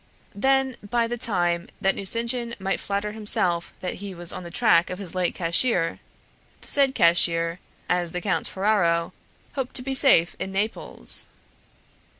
Then, by the time that Nucingen might flatter himself that he was on the track of his late cashier, the said cashier, as the Conte Ferraro, hoped to be safe in Naples.